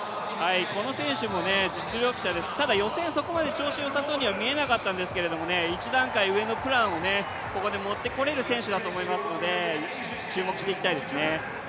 この選手も実力者です、ただ予選はそこまで調子よさそうに見えなかったんですけれども、一段階上のプランをここで持ってこれる選手だと思いますので、注目していきたいですね。